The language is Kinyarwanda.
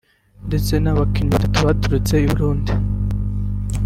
ndetse n’abakinnyi batatu baturutse i Burundi